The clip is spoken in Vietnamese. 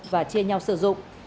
và chia nhau sử dụng